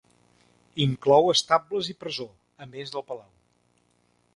Inclou estables i presó a més del palau.